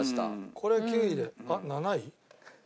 これ９位であっ７位？